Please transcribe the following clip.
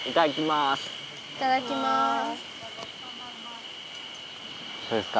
いただきます。